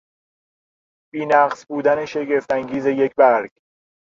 بینقص بودن شگفت انگیز یک برگ